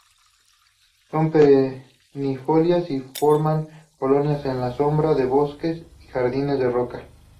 Son perennifolias y forman colonias en la sombra de bosques y jardines de roca.